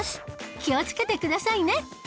気をつけてくださいね